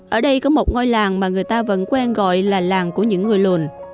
ở đây có một ngôi làng mà người ta vẫn quen gọi là làng của những người lùn